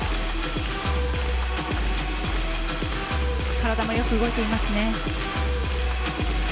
体もよく動いていますね。